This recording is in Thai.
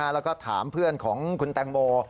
แล้วก็ถามเพื่อนของคุณแตงโม